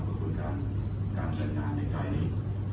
บทคุณการการการงานในกายนี้